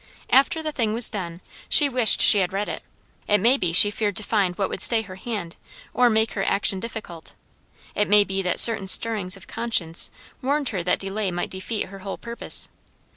After the thing was done, she wished she had read it. It may be she feared to find what would stay her hand, or make her action difficult. It may be that certain stirrings of conscience warned her that delay might defeat her whole purpose.